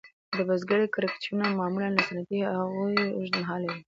د بزګرۍ کړکېچونه معمولاً له صنعتي هغو اوږد مهاله وي